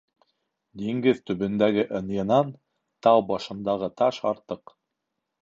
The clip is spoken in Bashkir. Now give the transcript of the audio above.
Диңгеҙ төбөндәге ынйынан тау башындағы таш артыҡ.